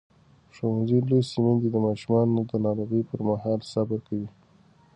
ښوونځې لوستې میندې د ماشومانو د ناروغۍ پر مهال صبر کوي.